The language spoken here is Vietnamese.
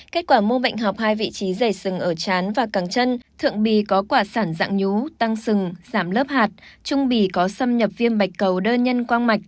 kết quả mô bệnh học hai vị trí dày sừng ở chán và càng chân thượng bì có quả sản dạng nhú tăng sừng giảm lớp hạt trung bì có xâm nhập viêm bạch cầu đơn nhân quang mạch